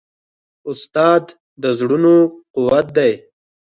استاد د زړونو قوت دی.